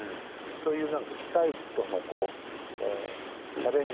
そういう何か機械とのチャレンジ